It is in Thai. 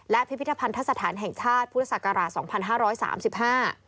และพิพิธภัณฑ์ทัศนฐานแห่งชาติพุทธศักราช๒๕๓๕